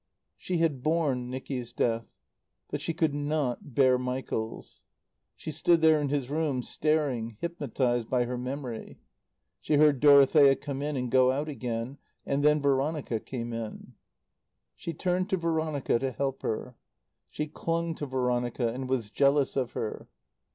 She had borne Nicky's death. But she could not bear Michael's. She stood there in his room, staring, hypnotized by her memory. She heard Dorothea come in and go out again. And then Veronica came in. She turned to Veronica to help her. She clung to Veronica and was jealous of her.